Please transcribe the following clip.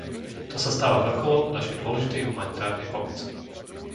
To sa stáva vrcholom našej dôležitej humanitárnej pomoci.